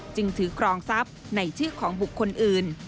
จึงถือครองทรัพย์ในชื่อของบุคคลอื่น